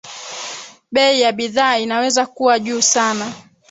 bei ya bidhaa inaweza kuwa juu sana